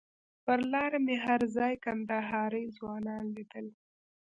پر لاره مې هر ځای کندهاري ځوانان لیدل.